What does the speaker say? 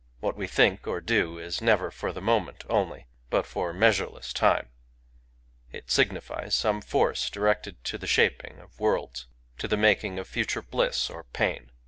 What we think or do is never for the moment only, but for measureless , time : it signifies some force directed to the shap J ing of worlds, — to the making of future bliss or ■ pain.